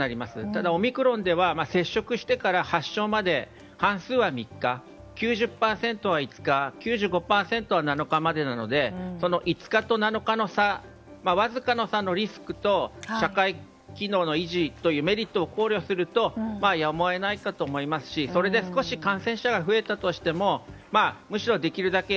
ただオミクロンでは接触してから発症まで半数は３日、９０％は５日９５％は７日までなので５日と７日の差わずかの差のリスクと社会機能の維持というメリットを考慮するとやむを得ないかと思いますしそれで少し感染者が増えたとしてもむしろできるだけ